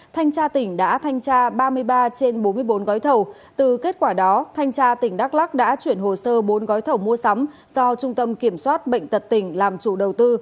thanh tra tỉnh đã thanh tra ba mươi ba trên bốn mươi bốn gói thầu từ kết quả đó thanh tra tỉnh đắk lắc đã chuyển hồ sơ bốn gói thầu mua sắm do trung tâm kiểm soát bệnh tật tỉnh làm chủ đầu tư